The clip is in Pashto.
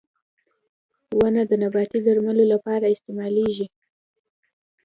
• ونه د نباتي درملو لپاره استعمالېږي.